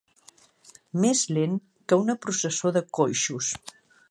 Més lent que una processó de coixos.